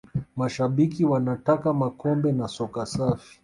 mashabiki wa nataka makombe na soka safi